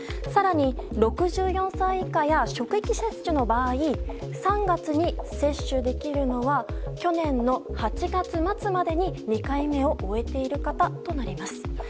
更に、６４歳以下や職域接種の場合３月に接種できるのは去年の８月末までに２回目を終えている方となります。